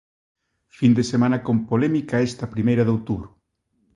Fin de semana con polémica esta primeira de outubro.